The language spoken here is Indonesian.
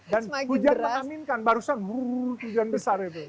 dan hujan mengaminkan barusan hujuan besar itu